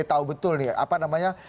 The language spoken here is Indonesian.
tahu betul nih